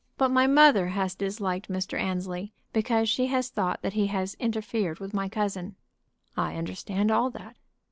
But my mother has disliked Mr. Annesley, because she has thought that he has interfered with my cousin." "I understand all that."